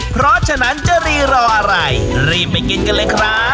เพราะฉะนั้นจะรีรออะไรรีบไปกินกันเลยครับ